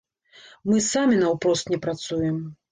Мы самі наўпрост не працуем.